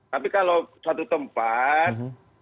tapi kalau suatu tempat